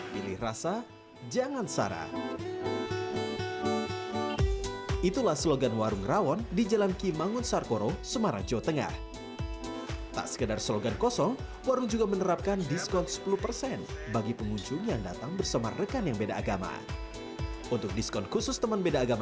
pilih rasa jangan sara